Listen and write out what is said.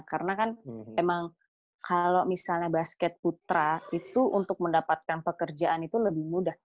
karena kan emang kalau misalnya basket putra itu untuk mendapatkan pekerjaan itu lebih mudah